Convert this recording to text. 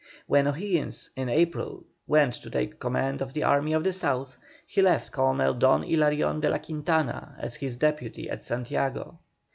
When O'Higgins in April went to take command of the Army of the South, he left Colonel Don Hilarion de la Quintana as his deputy at Santiago.